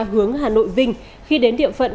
hướng hà nội vinh khi đến địa phận